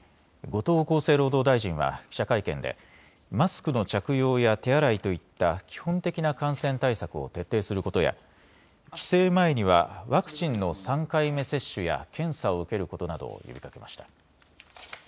後藤厚生労働大臣は記者会見でマスクの着用や手洗いといった基本的な感染対策を徹底することや帰省前にはワクチンの３回目接種や検査を受けることなどを呼びかけました。